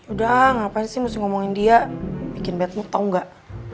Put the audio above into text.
udah ngapain sih mesti ngomongin dia bikin bad mood tau gak